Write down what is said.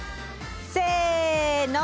せの！